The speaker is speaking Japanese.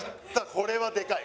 これはでかい。